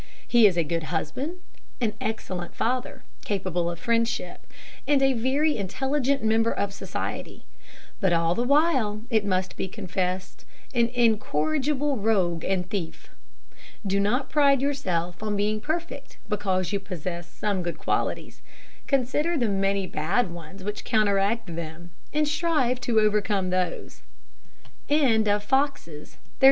He is a good husband, an excellent father, capable of friendship, and a very intelligent member of society; but all the while, it must be confessed, an incorrigible rogue and thief. Do not pride yourself on being perfect because you possess some good qualities. Consider the many bad ones which counteract them, and strive to overcome those.